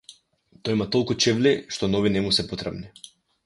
Тој има толку чевли што нови не му се потребни.